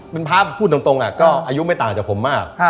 เป็นพระพูดตรงก็อายุไม่ต่างจากผมมาก